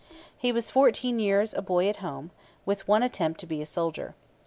He was fourteen years a boy at home, with one attempt to be a soldier.